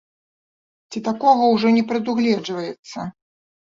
Ці такога ўжо не прадугледжваецца?